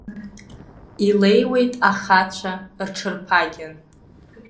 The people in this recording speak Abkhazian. Илеиуеит ахацәа рҽырԥагьан.